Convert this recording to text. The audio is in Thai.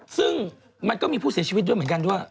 ซึ่งมันก็มีผู้เสียชีวิตด้วยเหมือนกันด้วย